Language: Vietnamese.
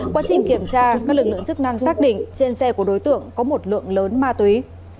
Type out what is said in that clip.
quá trình kiểm tra các lực lượng chức năng xác định trên xe của đối tượng có một lượng lớn ma túy